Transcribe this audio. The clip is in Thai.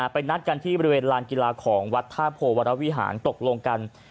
ไปนัดกันที่บริเวณลานกีฬาของวัดท่าโพวรวิหารตกลงกัน